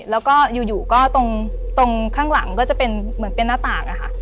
แล้วก็อยู่ก็ตรงข้างหลังก็จะเป็นเหมือนเป็นหน้าต่างอะค่ะ